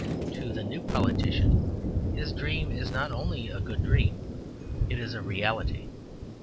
To the new politician his dream is not only a good dream, it is a reality.